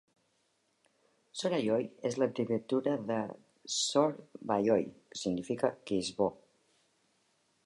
"Sorayoi" és l'abreviatura de "Sorewayoi," que significa "que és bo.